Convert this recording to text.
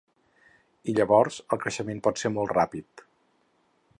I llavors el creixement pot ser molt ràpid.